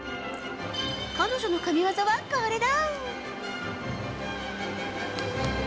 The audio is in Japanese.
彼女の神技は、これだ！